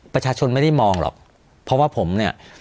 ประชาชนไม่ได้มองหรอกเพราะว่าผมเนี่ย